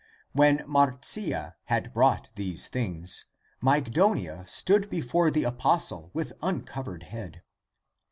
When Marcia had brought these things, Mygdonia stood before the apostle with uncovered head.